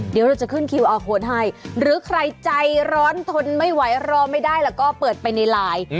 เดี๋ยวเราจะขึ้นคิวอาร์โคนให้หรือใครใจร้อนทนไม่ไหวรอไม่ได้แล้วก็เปิดไปในไลน์